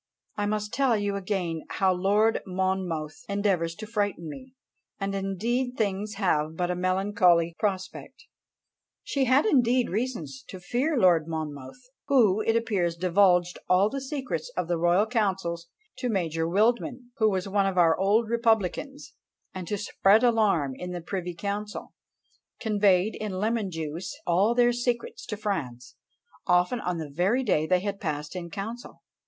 I must tell you again how Lord Monmouth endeavours to frighten me, and indeed things have but a melancholy prospect." She had indeed reasons to fear Lord Monmouth, who, it appears, divulged all the secrets of the royal councils to Major Wildman, who was one of our old republicans; and, to spread alarm in the privy council, conveyed in lemon juice all their secrets to France, often on the very day they had passed in council!